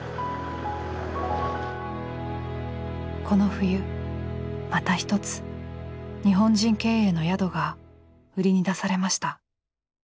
この冬また一つ日本人経営の宿が売りに出されました。